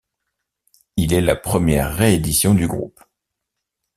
Il est la première réédition du groupe.